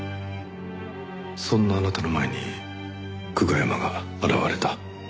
そんなあなたの前に久我山が現れた。